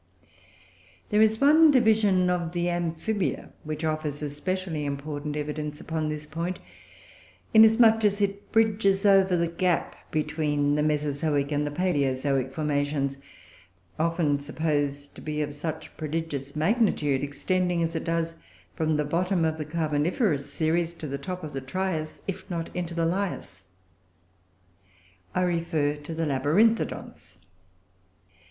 There is one division of the Amphibia which offers especially important evidence upon this point, inasmuch as it bridges over the gap between the Mesozoic and the Palaeozoic formations (often supposed to be of such prodigious magnitude), extending, as it does, from the bottom of the Carboniferous series to the top of the Trias, if not into the Lias. I refer to the Labyrinthodonts.